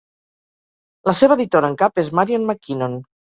La seva editora en cap és Marion MacKinnon.